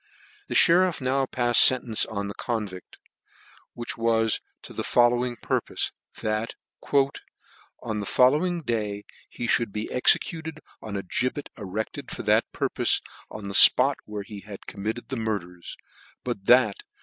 The fhcriffnow paffcd lentence on the convict, which was to the following purpofe : that u on *' the following day he mould be executed on a gibbet eredlcd for that purpole on the fpot " where he had committed the murders: but that.